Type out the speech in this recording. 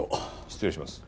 失礼します。